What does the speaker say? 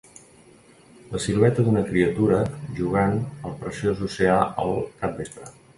La silueta d'una criatura jugant al preciós oceà al capvespre.